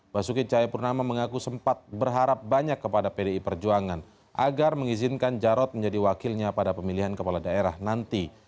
basuki cahayapurnama mengaku sempat berharap banyak kepada pdi perjuangan agar mengizinkan jarod menjadi wakilnya pada pemilihan kepala daerah nanti